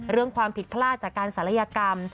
เรื่องความผิดพลาดจากการศัลยกรรม